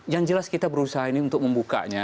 yang jelas kita berusaha ini untuk membukanya